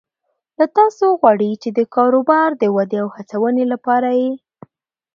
له تاسو غواړي چې د کاروبار د ودې او هڅونې لپاره یې